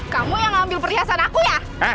kamu yang ngambil perhiasan aku ya